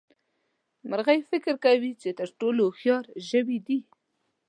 مرغۍ فکر کوي چې تر ټولو هوښيار ژوي دي.